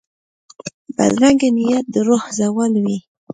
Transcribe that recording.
بدرنګه نیت د روح زوال وي